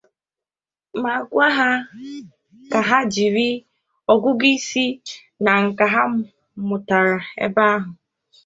ma gwa ha ka ha jiri ọgụgụisi na nkà ha mụtara ebe ahụ